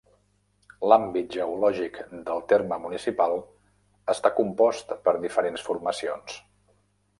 L'àmbit geològic del terme municipal està compost per diferents formacions.